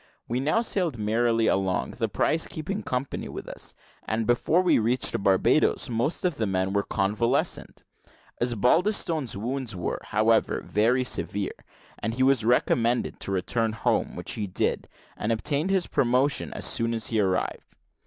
We now sailed merrily along, the prize keeping company with us; and, before we reached Barbadoes, most of the men were convalescent. Osbaldistone's wounds were, however, very severe; and he was recommended to return home, which he did, and obtained his promotion as soon as he arrived.